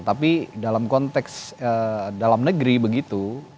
tapi dalam konteks dalam negeri begitu